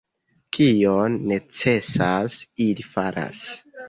Kion necesas, ili faras.